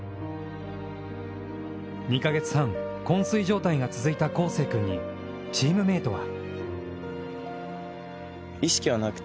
２か月半、こん睡状態が続いた孝成君にチームメートは。